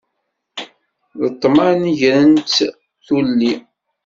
D ṭṭman gren-tt tuli.